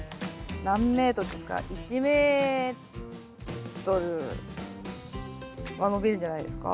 何メートルですか？は伸びるんじゃないですか。